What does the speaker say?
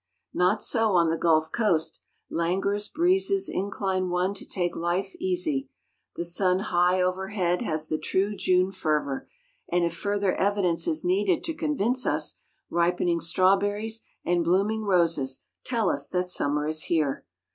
Not so on the gulf coast; langorous breezes incline one to take life easy, the sun high overhead has the true June fervor, and, if further evidence is needed to convince us, ripening strawberries and blooming roses tell us that summer is here.